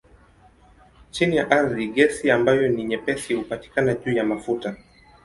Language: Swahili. Chini ya ardhi gesi ambayo ni nyepesi hupatikana juu ya mafuta.